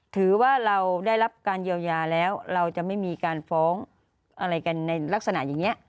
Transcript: ถือว่าเราได้รับการเยียวยาแล้วเราจะไม่มีการฟ้องอะไรกันในลักษณะอย่างนี้